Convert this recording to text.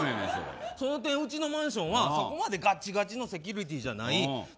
その点、うちのマンションはそこまでガチガチのセキュリティーじゃない。